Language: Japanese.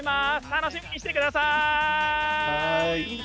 楽しみにしてください！